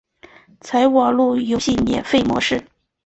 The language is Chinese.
采网路游戏免费模式。